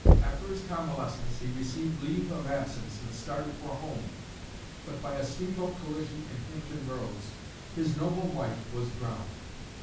After his convalescence, he received leave of absence, and started for home; but by a steamboat collision in Hampton Roads, his noble wife was drowned.